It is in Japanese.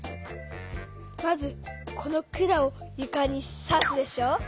まずこの管をゆかにさすでしょ。